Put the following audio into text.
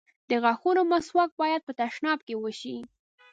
د غاښونو مسواک بايد په تشناب کې وشي.